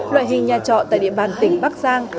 loại hình nhà trọ tại địa bàn tỉnh bắc giang